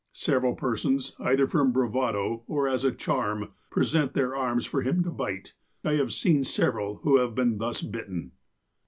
Several persons, either from bravado, or as a charm, present their arms for him to bite. I have seen several who have been thus bitten."